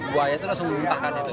buaya itu langsung muntahkan itu